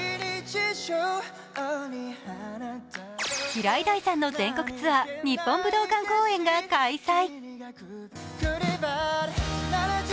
平井大さんの全国ツアー日本武道館ツアーが開催。